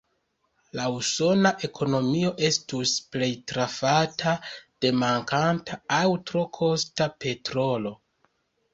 La usona ekonomio estus plej trafata de mankanta aŭ tro kosta petrolo.